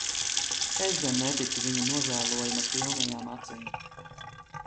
Es gan neticu viņa nožējojuma pilnajām acīm.